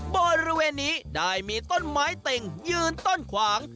บริเวณนี้ได้มีต้นไม้เต็งยืนต้นขวาง